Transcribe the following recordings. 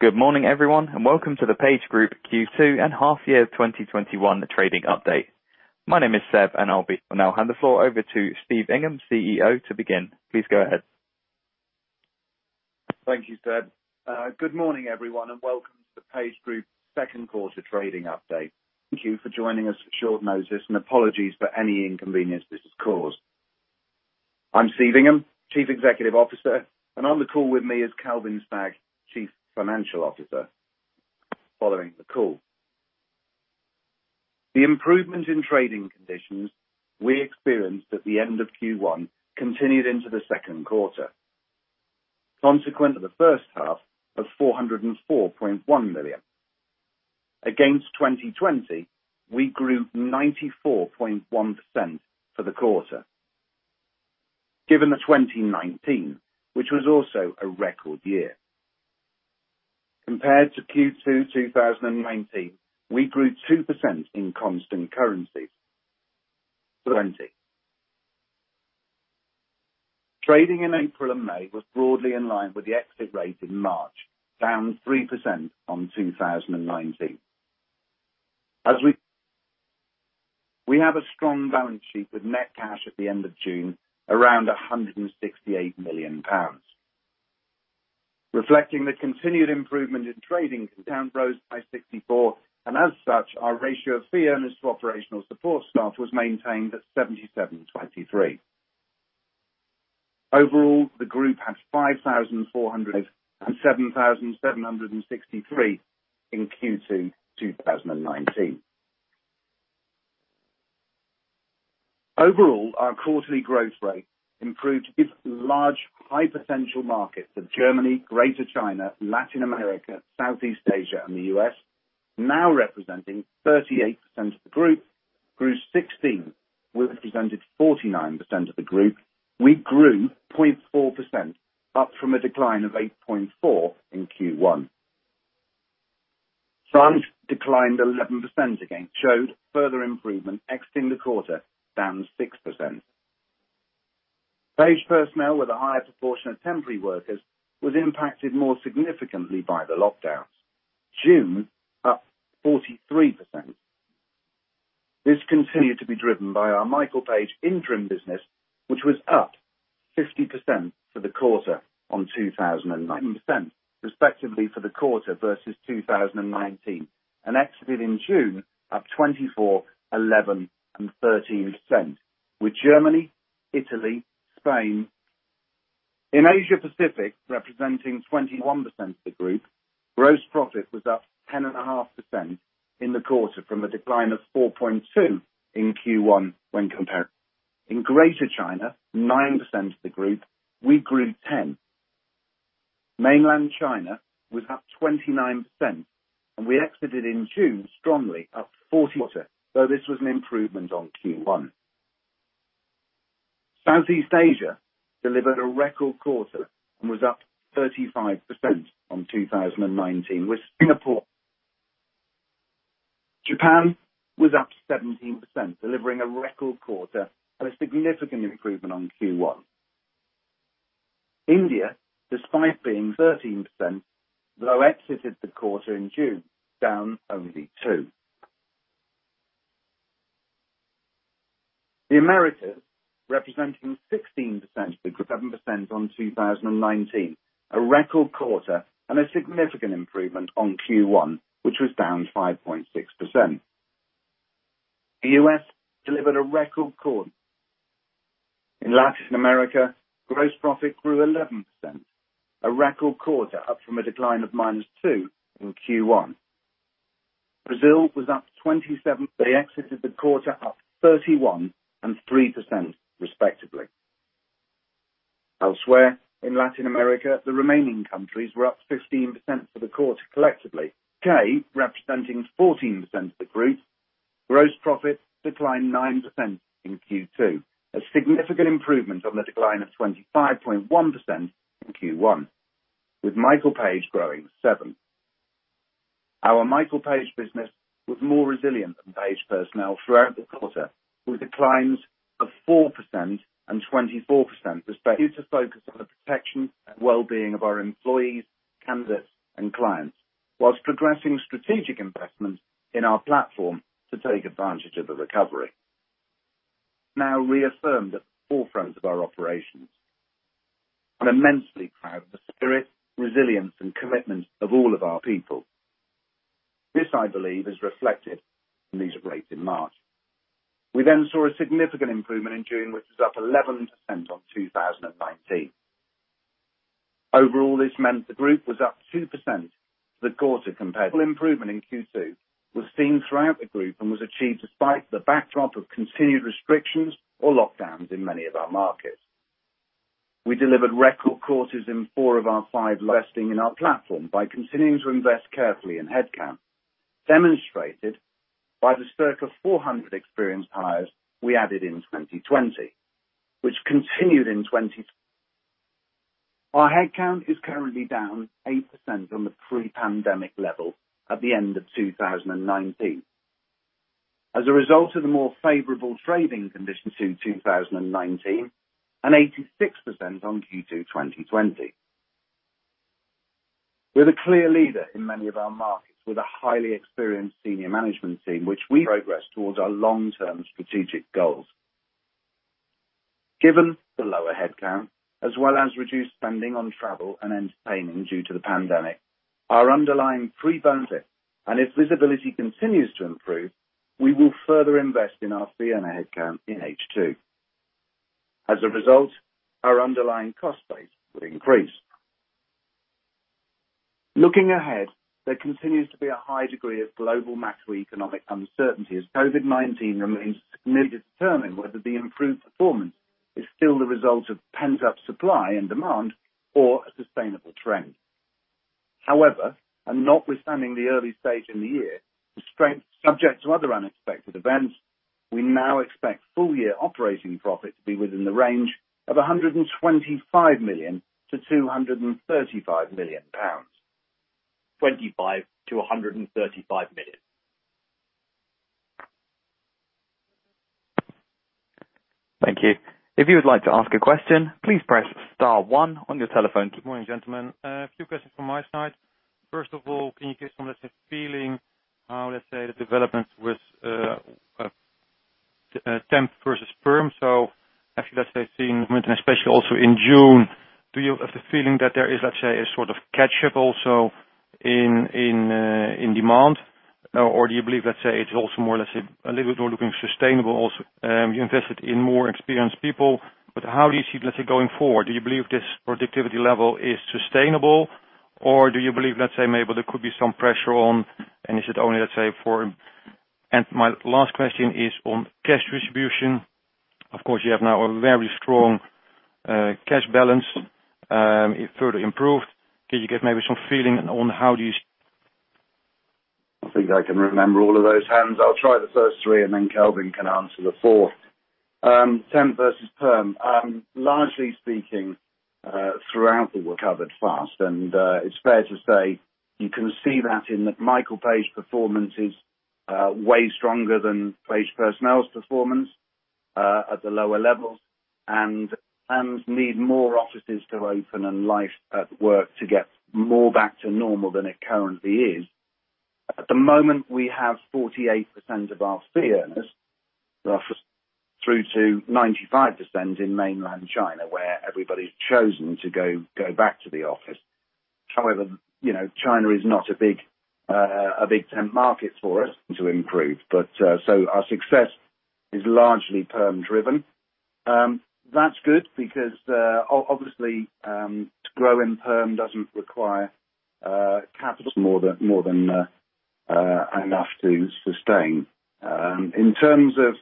Good morning, everyone, and welcome to the PageGroup Q2 and Half Year 2021 Trading Update. My name is Seb, and I'll now hand the floor over to Steve Ingham, CEO, to begin. Please go ahead. Thank you, Seb. Good morning, everyone, and welcome to the PageGroup second quarter trading update. Thank you for joining us at short notice, and apologies for any inconvenience this has caused. I'm Steve Ingham, Chief Executive Officer, and on the call with me is Kelvin Stagg, Chief Financial Officer, following the call. The improvement in trading conditions we experienced at the end of Q1 continued into the second quarter. Consequent to the first half was 404.1 million. Against 2020, we grew 94.1% for the quarter. Given the 2019, which was also a record year. Compared to Q2 2019, we grew 2% in constant currency, 20. Trading in April and May was broadly in line with the exit rate in March, down 3% on 2019. We have a strong balance sheet with net cash at the end of June, around 168 million pounds. Reflecting the continued improvement in trading, headcount rose by 64, and as such, our ratio of fee earners to operational support staff was maintained at 77.23. Overall, the group had 5,400 and 7,763 in Q2 2019. Overall, our quarterly growth rate improved its large, high potential markets of Germany, Greater China, Latin America, Southeast Asia, and the U.S., now representing 38% of the group, grew 16%, which presented 49% of the group, we grew 0.4%, up from a decline of 8.4% in Q1. Science declined 11% again, showed further improvement exiting the quarter, down 6%. Page Personnel, with a higher proportion of temporary workers, was impacted more significantly by the lockdowns. June, up 43%. This continued to be driven by our Michael Page interim business, which was up 50% for the quarter on 2009. 7% respectively for the quarter versus 2019, exited in June up 24, 11, and 13%, with Germany, Italy, Spain. In Asia Pacific, representing 21% of the group, gross profit was up 10.5% in the quarter from a decline of 4.2% in Q1 when compared. In Greater China, 9% of the group, we grew 10%. Mainland China was up 29%, we exited in June strongly up 40%. This was an improvement on Q1. Southeast Asia delivered a record quarter and was up 35% on 2019, with Singapore. Japan was up 17%, delivering a record quarter and a significant improvement on Q1. India, despite being 13%, though exited the quarter in June, down only 2%. The Americas, representing 16% of the group, 7% on 2019, a record quarter and a significant improvement on Q1, which was down 5.6%. The U.S. delivered a record quarter. In Latin America, gross profit grew 11%, a record quarter up from a decline of -2% in Q1. Brazil was up 27%. They exited the quarter up 31% and 3%, respectively. Elsewhere, in Latin America, the remaining countries were up 15% for the quarter collectively. U.K., representing 14% of the group, gross profit declined 9% in Q2, a significant improvement on the decline of 25.1% in Q1, with Michael Page growing 7%. Our Michael Page business was more resilient than Page Personnel throughout the quarter, with declines of 4% and 24%. Continue to focus on the protection and well-being of our employees, candidates, and clients while progressing strategic investments in our platform to take advantage of the recovery. Now reaffirmed at the forefront of our operations. I'm immensely proud of the spirit, resilience, and commitment of all of our people. This, I believe, is reflected in these rates in March. We saw a significant improvement in June, which was up 11% on 2019. Overall, this meant the group was up 2% for the quarter compared. Improvement in Q2 was seen throughout the group and was achieved despite the backdrop of continued restrictions or lockdowns in many of our markets. We delivered record quarters in four of our five- Investing in our platform by continuing to invest carefully in headcount, demonstrated by the circa 400 experienced hires we added in 2020, which continued in 2020. Our headcount is currently down 8% on the pre-pandemic level at the end of 2019. As a result of the more favorable trading conditions in 2019 and 86% on Q2 2020. We're the clear leader in many of our markets with a highly experienced senior management team which we progress towards our long-term strategic goals. Given the lower headcount as well as reduced spending on travel and entertainment due to the pandemic, our underlying pre-bonus. If visibility continues to improve, we will further invest in our fee earner headcount in H2. As a result, our underlying cost base will increase. Looking ahead, there continues to be a high degree of global macroeconomic uncertainty as COVID-19 remains significant. Determine whether the improved performance is still the result of pent-up supply and demand or a sustainable trend. Notwithstanding the early stage in the year, the strength subject to other unexpected events, we now expect full-year operating profit to be within the range of 125 million-235 million pounds, 25 million-135 million. Thank you. If you would like to ask a question, please press star one on your telephone. Good morning, gentlemen. A few questions from my side. First of all, can you give us some feeling, let's say, the development with temp versus perm? Actually let's say seeing especially also in June, do you have the feeling that there is, let's say, a sort of catch up also in demand? Do you believe, let's say, it's also more or less a little more looking sustainable, invested in more experienced people. How do you see, let's say, going forward? Do you believe this productivity level is sustainable, or do you believe, let's say, maybe there could be some pressure on. My last question is on cash distribution. Of course, you have now a very strong cash balance. It further improved. Can you give maybe some feeling on how do you- I think I can remember all of those, Hans. I'll try the first three, and then Kelvin can answer the fourth. Temp versus perm. Largely speaking, recovered fast, and it's fair to say you can see that in the Michael Page performance is way stronger than Page Personnel's performance at the lower levels and need more offices to open and life at work to get more back to normal than it currently is. At the moment, we have 48% of our staff through to 95% in mainland China, where everybody's chosen to go back to the office. China is not a big temp market for us- To improve. Our success is largely perm driven. That's good because, obviously, to grow in perm doesn't require capital more than enough to sustain. In terms of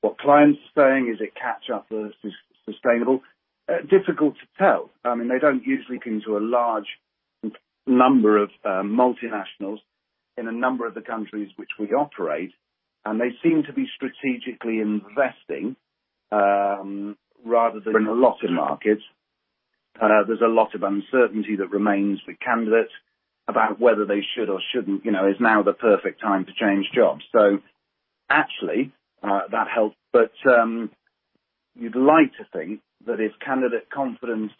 what clients are saying, is it catch up or sustainable? Difficult to tell. They don't usually come to a large number of multinationals in a number of the countries which we operate. There's a lot of markets. There's a lot of uncertainty that remains for candidates about whether they should or shouldn't. Is now the perfect time to change jobs? Actually, that helps. You'd like to think that if candidate confidence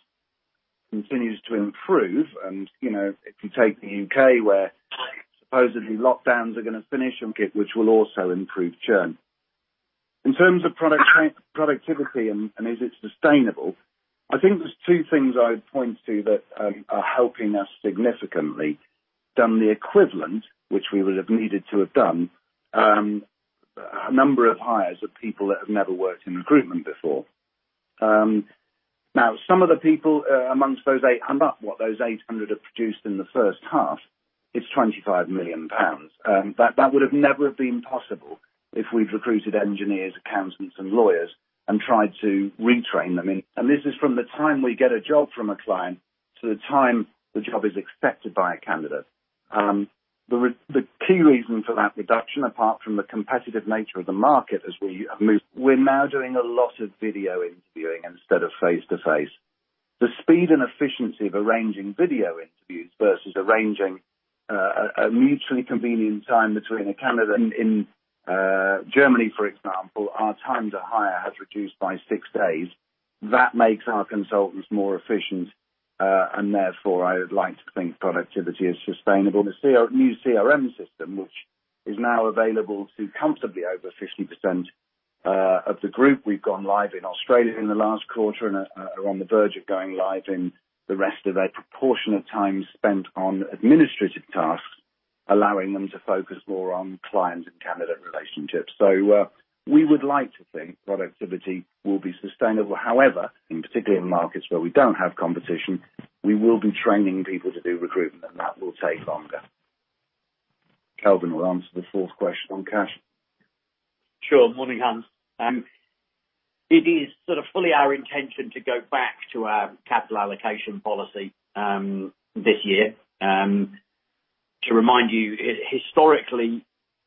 continues to improve and if you take the U.K. where supposedly lockdowns are going to finish, which will also improve churn. In terms of productivity and is it sustainable, I think there's two things I would point to that are helping us significantly. Done the equivalent, which we would have needed to have done, a number of hires of people that have never worked in recruitment before. Some of the people amongst those eight and what those 800 have produced in the first half is 25 million pounds. That would have never been possible if we'd recruited engineers, accountants, and lawyers and tried to retrain them. This is from the time we get a job from a client to the time the job is accepted by a candidate. The key reason for that reduction, apart from the competitive nature of the market, is we're now doing a lot of video interviewing instead of face-to-face. The speed and efficiency of arranging video interviews versus arranging a mutually convenient time between a candidate in Germany, for example, our time to hire has reduced by six days. That makes our consultants more efficient. Therefore, I would like to think productivity is sustainable. The new CRM system, which is now available to comfortably over 50% of the group. We've gone live in Australia in the last quarter and are on the verge of going live. A proportionate time spent on administrative tasks, allowing them to focus more on client and candidate relationships. We would like to think productivity will be sustainable. However, in particular markets where we don't have competition, we will be training people to do recruitment, and that will take longer. Kelvin will answer the fourth question on cash. Sure. Morning, Hans. It is sort of fully our intention to go back to our capital allocation policy this year. To remind you, historically,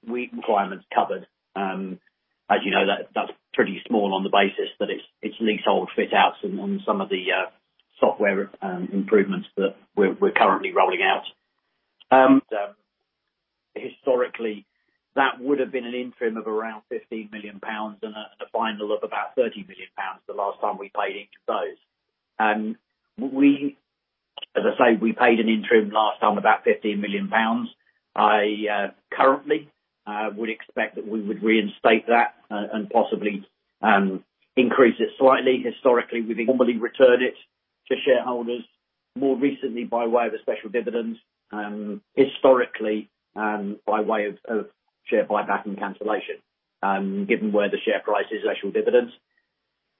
requirements covered. As you know, that's pretty small on the basis that it's leasehold fit outs and on some of the software improvements that we're currently rolling out. Historically, that would have been an interim of around 15 million pounds and a final of about 30 million pounds the last time we paid each of those. As I say, we paid an interim last time about 15 million pounds. I currently would expect that we would reinstate that and possibly increase it slightly. Historically, we've normally returned it to shareholders, more recently by way of a special dividend, historically by way of share buyback and cancellation. Given where the share price is, special dividends.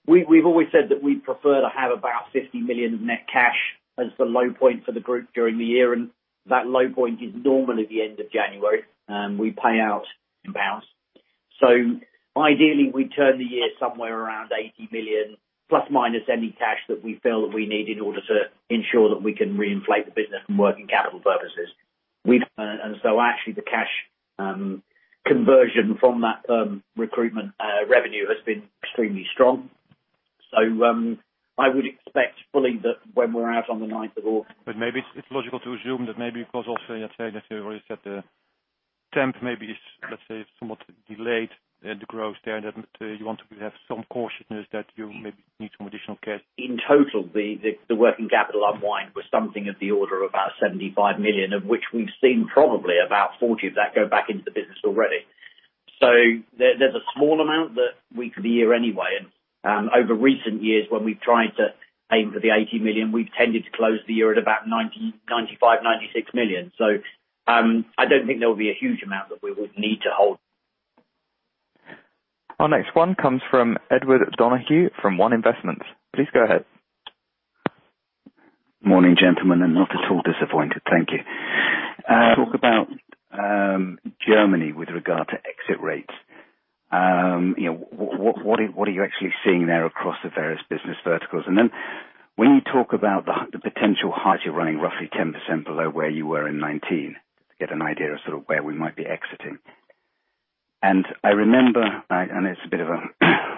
We've always said that we prefer to have about 50 million of net cash as the low point for the group during the year, and that low point is normally at the end of January. We pay out in pounds. Ideally, we turn the year somewhere around 80 million plus minus any cash that we feel that we need in order to ensure that we can reinflate the business from working capital purposes. Actually the cash conversion from that recruitment revenue has been extremely strong. I would expect fully that when we're out on the ninth of August. Maybe it's logical to assume that maybe because of, as you said, the temp maybe is, let's say, somewhat delayed the growth there, and you want to have some cautiousness that you maybe need some additional cash. In total, the working capital unwind was something of the order of about 75 million, of which we've seen probably about 40 million of that go back into the business already. There's a small amount that we could hear anyway. Over recent years, when we've tried to aim for the 80 million, we've tended to close the year at about 95 million, 96 million. I don't think there will be a huge amount that we would need to hold. Our next one comes from Edward Donahue from One Investment. Please go ahead. Morning, gentlemen, not at all disappointed. Thank you. Talk about Germany with regard to exit rates. What are you actually seeing there across the various business verticals? When you talk about the potential hire, you're running roughly 10% below where you were in 2019 to get an idea of sort of where we might be exiting. I remember, and it's a bit of a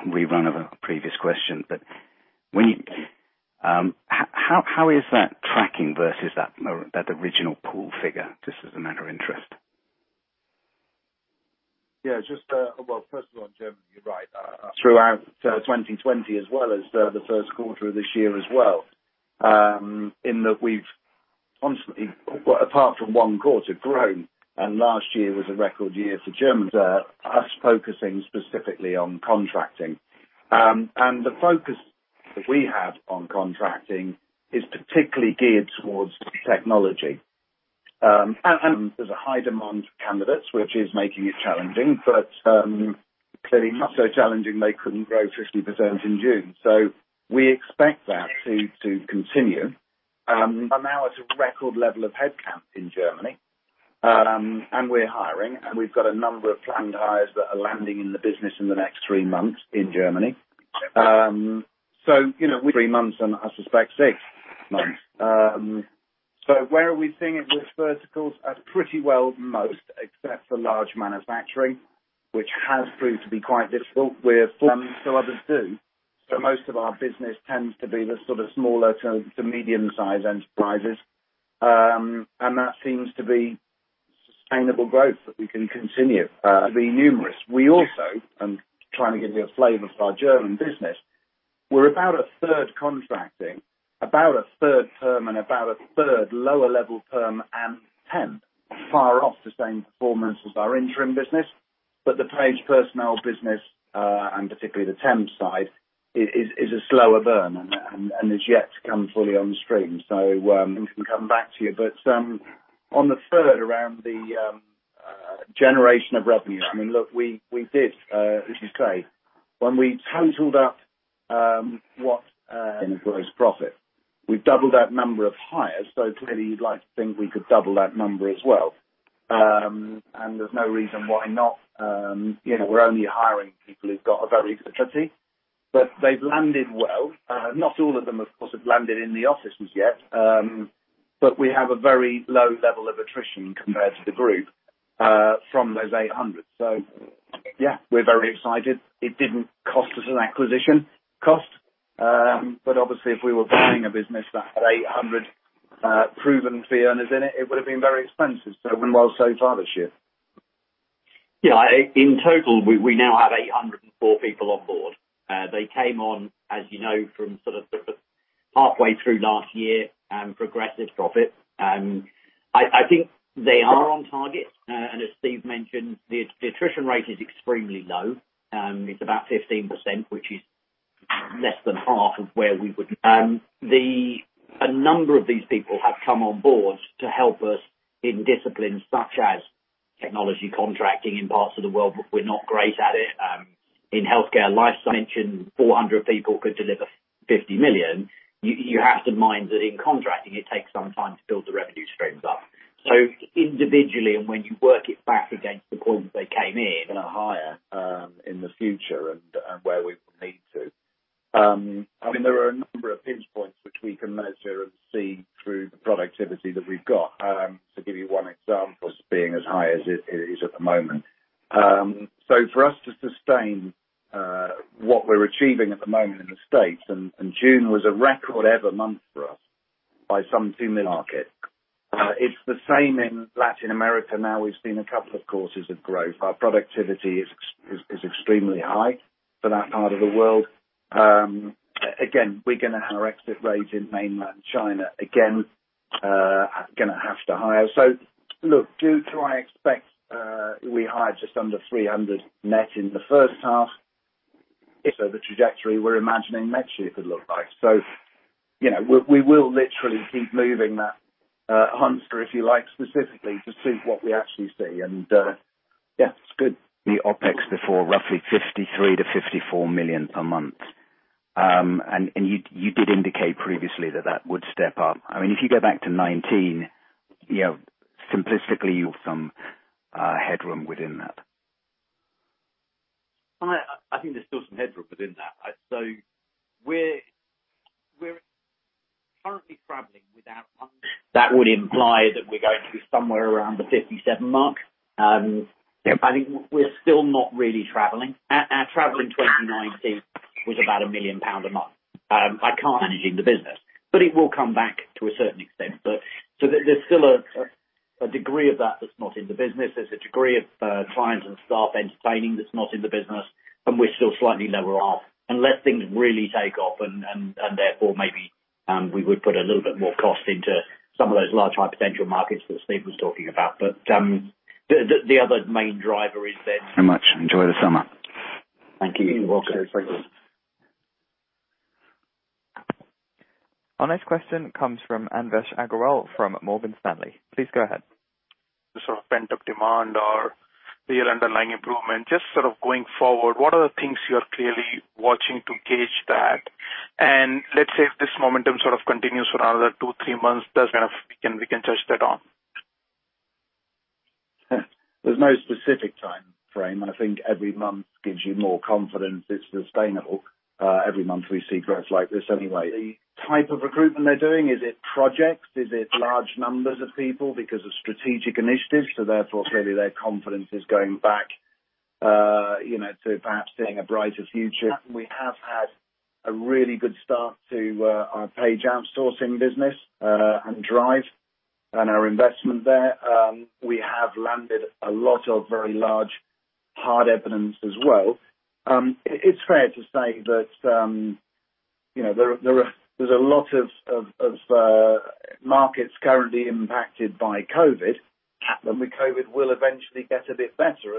rerun of a previous question, how is that tracking versus that original pool figure? Just as a matter of interest. Yeah, well, first of all, on Germany, you're right. Throughout 2020 as well as the first quarter of this year as well, in that we've constantly, apart from first quarter, grown. Last year was a record year for Germany. Us focusing specifically on contracting. The focus that we have on contracting is particularly geared towards technology. There's a high demand for candidates, which is making it challenging, but clearly not so challenging they couldn't grow 50% in June. We expect that to continue. We're now at a record level of head count in Germany, and we're hiring, and we've got a number of planned hires that are landing in the business in the next three months in Germany. Where are we seeing it with verticals? Pretty well most except for large manufacturing, which has proved to be quite difficult. Others do. Most of our business tends to be the sort of smaller to medium-sized enterprises, and that seems to be sustainable growth that we can continue. We also, and trying to give you a flavor of our German business, we're about a third contracting, about a third perm, and about a third lower level perm and temp. Far off the same performance as our interim business, the Page Personnel business, and particularly the temp side, is a slower burn and is yet to come fully on stream. We can come back to you. On the third around the generation of revenues, look, we did, as you say, when we totaled up gross profit. We doubled that number of hires. Clearly you'd like to think we could double that number as well. There's no reason why not. We're only hiring people who've got a very good attitude. They've landed well. Not all of them, of course, have landed in the offices yet. We have a very low level of attrition compared to the group from those 800. Yeah, we're very excited. It didn't cost us an acquisition cost, obviously, if we were buying a business that had 800 proven fee earners in it would have been very expensive. Well, so far this year. Yeah, in total, we now have 804 people on board. They came on, as you know, from sort of halfway through last year, progressive profit. I think they are on target. As Steve mentioned, the attrition rate is extremely low. It's about 15%, which is less than half. A number of these people have come on board to help us in disciplines such as technology contracting in parts of the world, we're not great at it. In healthcare, life science, 400 people could deliver 50 million. You have to mind that in contracting, it takes some time to build the revenue streams up. Individually, and when you work it back against the point that they came in, going to hire in the future and where we will need to. There are a number of pinch points which we can measure and see through the productivity that we've got. To give you one example, being as high as it is at the moment, for us to sustain what we're achieving at the moment in the States, and June was a record ever month for us by some similar market. It's the same in Latin America now. We've seen a couple of quarters of growth. Our productivity is extremely high for that part of the world. Again, we're going to have exit rates in mainland China. Again, going to have to hire. Look, do I expect we hire just under 300 net in the first half? The trajectory we're imagining next year could look like. We will literally keep moving that hamster, if you like, specifically to see what we actually see, and yeah, it's good. The OpEx before roughly 53 million-54 million per month. You did indicate previously that would step up. If you go back to 2019, simplistically, you've some headroom within that. I think there's still some headroom within that. We're currently traveling without much. That would imply that we're going to be somewhere around the 57 mark. We're still not really traveling. Our travel in 2019 was about 1 million pound a month. I can't imagine the business, but it will come back to a certain extent. There's still a degree of that that's not in the business. There's a degree of clients and staff entertaining that's not in the business, and we're still slightly lower off. Unless things really take off and therefore maybe we would put a little bit more cost into some of those large high-potential markets that Steve was talking about. The other main driver is then. Very much. Enjoy the summer. Thank you. You as well, Chris. Our next question comes from Anvesh Agrawal from Morgan Stanley. Please go ahead. Sort of pent-up demand or real underlying improvement, just sort of going forward, what are the things you are clearly watching to gauge that? Let's say if this momentum sort of continues for another two, three months, does that mean we can touch base on? There's no specific timeframe. I think every month gives you more confidence it's sustainable. Every month we see growth like this anyway. The type of recruitment they're doing, is it projects? Is it large numbers of people because of strategic initiatives, so therefore clearly their confidence is going back to perhaps seeing a brighter future? We have had a really good start to our Page Outsourcing business and Drive and our investment there. We have landed a lot of very large hard evidence as well. It's fair to say that there's a lot of markets currently impacted by COVID.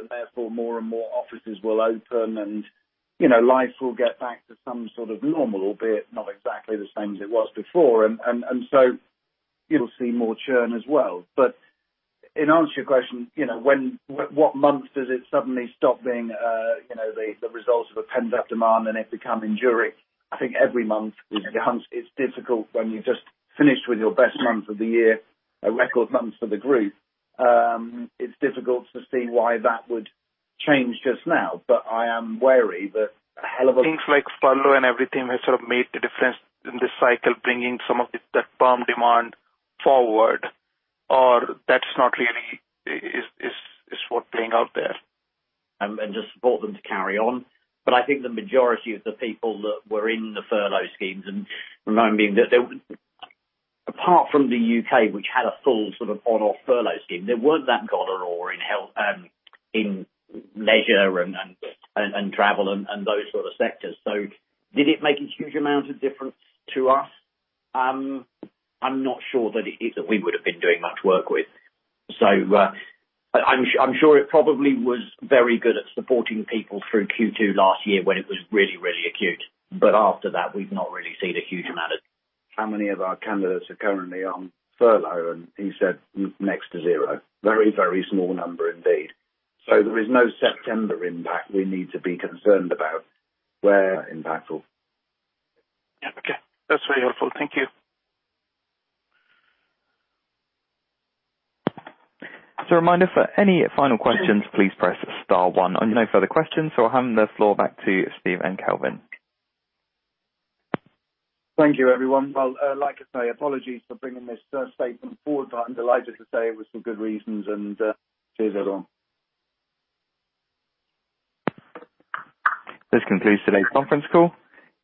Therefore more and more offices will open and life will get back to some sort of normal, albeit not exactly the same as it was before. So you'll see more churn as well. In answer to your question, what month does it suddenly stop being the result of a pent-up demand and it become enduring? I think every month is different. It's difficult when you just finished with your best month of the year, a record month for the Group. It's difficult to see why that would change just now. But I am wary that a hell of a- Things like furlough and everything that sort of made the difference in the cycle, bringing some of it that pent-up demand forward, or that's not really is what playing out there? To support them to carry on. I think the majority of the people that were in the furlough schemes, remind me, apart from the U.K., which had a full sort of on-off furlough scheme, there weren't that gone are all in health and in leisure and travel and those sort of sectors. Did it make a huge amount of difference to us? I'm not sure that it did, that we would have been doing much work with. I'm sure it probably was very good at supporting people through Q2 last year when it was really, really acute. After that, we've not really seen a huge amount. How many of our candidates are currently on furlough? He said next to zero. Very small number indeed. There is no September impact we need to be concerned about. Okay. That's very helpful. Thank you. No further questions. I'll hand the floor back to Steve and Kelvin. Thank you, everyone. Well, I'd like to say apologies for bringing this statement forward, but I'm delighted to say it was some good reasons and cheers everyone. This concludes today's conference call.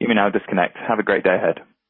You may now disconnect. Have a great day ahead.